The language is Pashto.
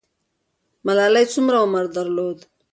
ملالۍ څومره عمر درلود؟